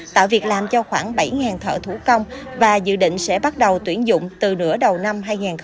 tạo việc làm cho khoảng bảy thợ thủ công và dự định sẽ bắt đầu tuyển dụng từ nửa đầu năm hai nghìn hai mươi